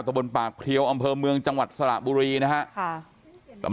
บนปากเพลียวอำเภอเมืองจังหวัดสระบุรีนะฮะ